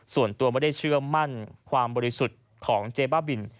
ส่วนตัวไม่ได้เชื่อมั่นความบริสุทธิ์ของเจ๊บ้าบิน